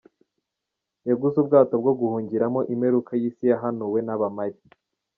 Yaguze ubwato bwo guhungiramo imperuka y’Isi yahanuwe n’Abamaya